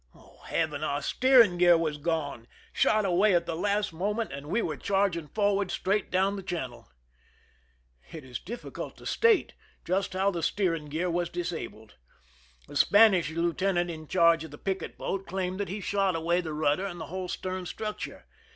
Oh, heaven! Our steering gear was gone, shot away at the last moment, and we were charging forward straight down the channel ! It is difficult to state just how the steering gear was disabled. The Spanish lieutenant in charge of the picket boat claimed that he shot away the rudder and the whole stern structure.